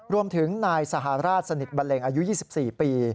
รวมถึงนายสหราชสนิทบันเลงอายุ๒๔ปี